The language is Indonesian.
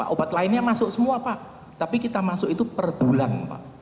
obat lainnya masuk semua pak tapi kita masuk itu per bulan pak